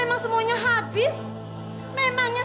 mana adek mana